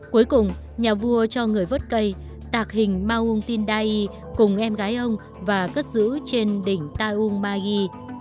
cuối cùng nhà vua cho người vớt cây tạc hình maung tindai cùng em gái ông và cất giữ trên đỉnh taung magi